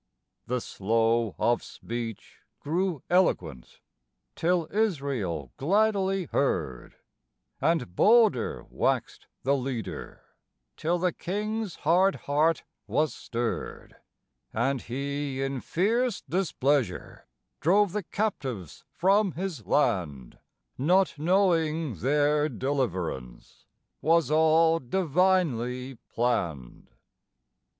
The slow of speech grew eloquent, till Israel gladly heard; And bolder waxed the Leader, till the king's hard heart was stirred, And he in fierce displeasure drove the captives from his land; Not knowing their deliverance was all divinely planned.